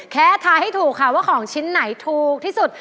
ท้ายให้ถูกค่ะว่าของชิ้นไหนถูกที่สุด